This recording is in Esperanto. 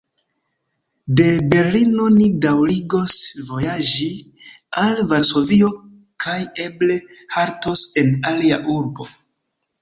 De Berlino ni daŭrigos vojaĝi al Varsovio kaj eble haltos en alia urbo.